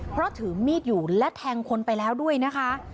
เพราะถือมีดอยู่และแทงคนไปแล้วด้วยนะคะ